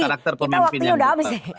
kita waktunya sudah habis